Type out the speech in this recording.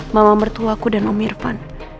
mama mertuaku dan om irfan